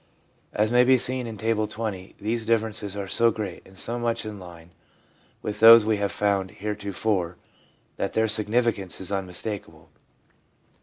As may be seen in Table XX., these differences are so great, and so much in line with those which we have found heretofore, that their significance is unmistakable.